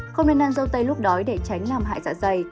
không nên ăn dâu tây lúc đói để tránh làm hại dạ dày